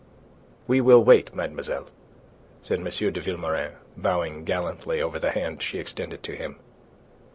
"We will wait, mademoiselle," said M. de Vilmorin, bowing gallantly over the hand she extended to him.